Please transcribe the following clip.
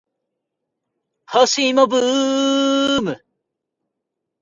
干し芋ブーム